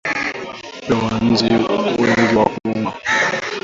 Uwepo wa nzi wengi wa kuuma